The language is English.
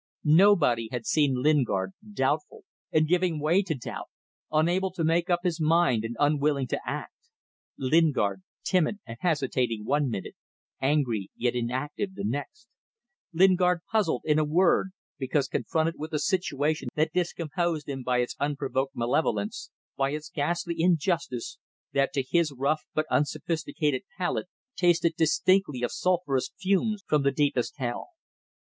Nobody had seen Lingard doubtful and giving way to doubt, unable to make up his mind and unwilling to act; Lingard timid and hesitating one minute, angry yet inactive the next; Lingard puzzled in a word, because confronted with a situation that discomposed him by its unprovoked malevolence, by its ghastly injustice, that to his rough but unsophisticated palate tasted distinctly of sulphurous fumes from the deepest hell.